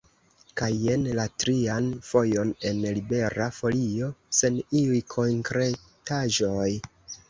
Kaj jen la trian fojon en Libera Folio sen iuj konkretaĵoj.